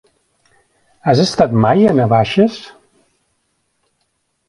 Has estat mai a Navaixes?